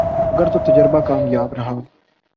اگر تو تجربہ کامیاب رہا